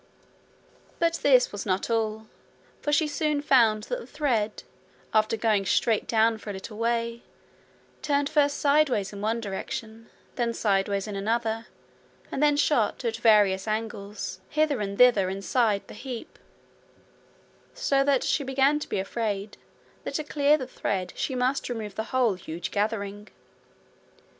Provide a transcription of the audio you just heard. But this was not all, for she soon found that the thread, after going straight down for a little way, turned first sideways in one direction, then sideways in another, and then shot, at various angles, hither and thither inside the heap, so that she began to be afraid that to clear the thread she must remove the whole huge gathering.